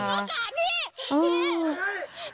โทษค่ะพี่